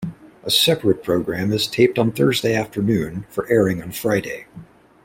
A separate program is taped on Thursday afternoon for airing on Friday.